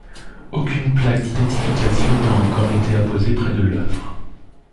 Aucune plaque d'identification n'a encore été apposée près de l’œuvre.